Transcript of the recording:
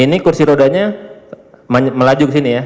ini kursi rodanya melaju ke sini ya